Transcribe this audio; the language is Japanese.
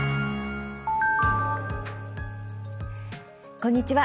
こんにちは。